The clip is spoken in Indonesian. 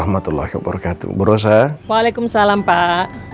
datang dari liburan mereka tuh lebih cepat